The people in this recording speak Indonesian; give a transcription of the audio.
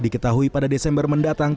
diketahui pada desember mendatang